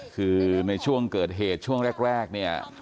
คือในช่วงเกิดเหตุช่วงแรกเนี่ย